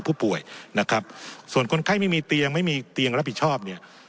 ผู้ป่วยนะครับส่วนคนไข้ไม่มีเตียงไม่มีเตียงรับผิดชอบเนี่ย